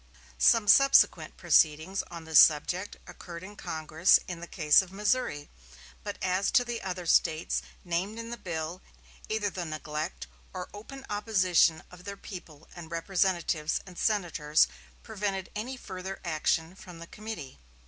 Some subsequent proceedings on this subject occurred in Congress in the case of Missouri; but as to the other States named in the bill, either the neglect or open opposition of their people and representatives and senators prevented any further action from the committee.